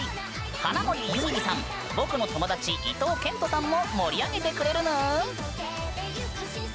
花守ゆみりさん僕の友達、伊東健人さんも盛り上げてくれるぬーん。